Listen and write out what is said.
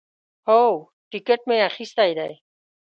هو، ټیکټ می اخیستی دی